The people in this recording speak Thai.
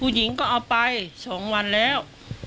ผู้หญิงก็เอาไปสองวันแล้ว